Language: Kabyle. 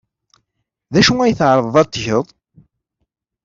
D acu ay tɛerḍed ad t-tged?